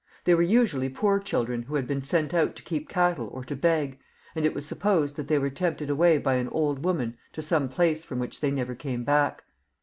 They were usually poor children who had been sent out to keep cattle or to beg, and it was supposed that they were tempted away by an old woman to some place from which they never came back.